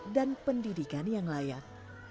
dan pendidikan yang layak